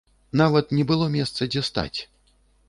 Нават не было месца дзе стаць.